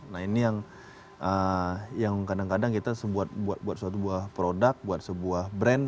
nah ini yang kadang kadang kita buat suatu produk buat sebuah brand